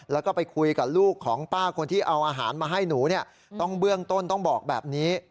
แล้วก็ไปคุยกับลูกของป้าคนที่เอาอาหารมาให้หนูเนี่ยต้องเบื้องต้นต้องบอกแบบนี้